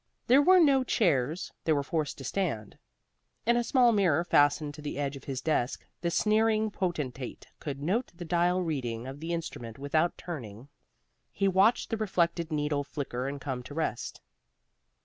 There were no chairs: they were forced to stand. In a small mirror fastened to the edge of his desk the sneering potentate could note the dial reading of the instrument without turning. He watched the reflected needle flicker and come to rest.